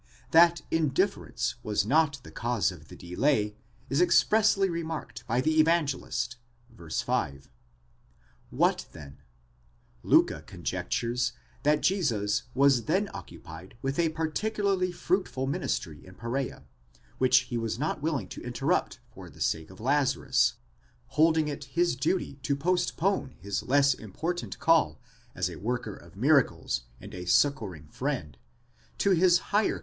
That indifference was not the cause of the delay, is expressly remarked by the Evangelist (v. 5). What then? Liicke conjectures that Jesus was then occu pied with a particularly fruitful ministry in Perzea, which he was not willing to interrupt for the sake of Lazarus, holding it his duty to postpone his less important call as a worker of miracles and a succouring friend, to his higher 86. 1; 5, 2761. 488 PART II. CHAPTER ΙΧ. § 100.